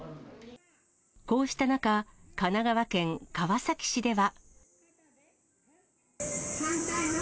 こうした中、神奈川県川崎市では。